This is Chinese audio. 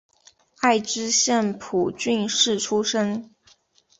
爱知县蒲郡市出身。